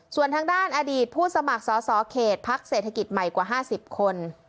ส่วนทางด้านอดีตผู้สมัครสอสอเขตพักเศรษฐกิจใหม่กว่า๕๐คน